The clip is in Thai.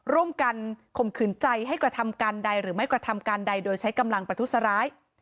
ร่วมกันข่มขืนใจให้กระทำการใดหรือไม่กระทำการใดโดยใช้กำลังประทุษร้าย